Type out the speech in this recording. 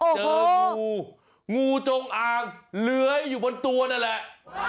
เจองูงูจงอางเลื้อยอยู่บนตัวนั่นแหละ